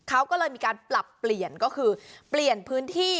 เขาก็มีการปรับเปลี่ยนก็คือตั้งเป็นพื้นที่